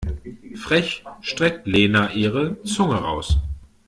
Frech streckt Lena ihr die Zunge raus.